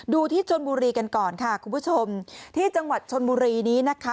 ดูที่ชนบุรีกันก่อนค่ะคุณผู้ชมที่จังหวัดชนบุรีนี้นะคะ